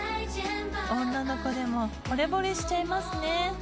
女の子でもほれぼれしちゃいますね。